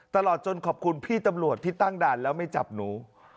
ตลอดจนขอบคุณพี่ตำรวจที่ตั้งด่านแล้วไม่จับหนู